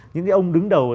những cái ông đứng đầu